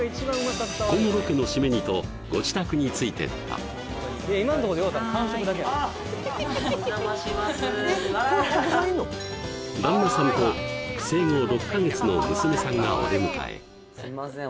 このロケの締めにとご自宅についてった旦那さんと生後６カ月の娘さんがお出迎えすいません